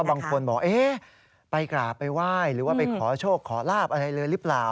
บางคนบอกเอ๊ะไปกราบไปไหว้หรือว่าไปขอโชคขอลาบอะไรเลยหรือเปล่า